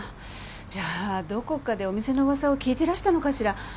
じゃあどこかでお店の噂を聞いてらしたのかしら？